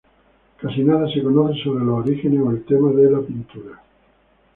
Casi nada se conoce sobre los orígenes o el tema de la pintura.